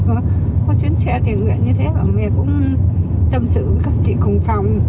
có chuyến xe tiền nguyện như thế mà mẹ cũng tâm sự với các chị cùng phòng